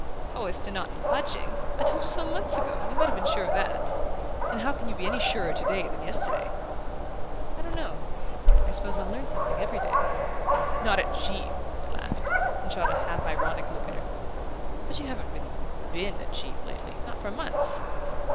"Oh, as to not budging I told you so months ago: you might have been sure of that! And how can you be any surer today than yesterday?" "I don't know. I suppose one learns something every day " "Not at Givre!" he laughed, and shot a half ironic look at her. "But you haven't really BEEN at Givre lately not for months!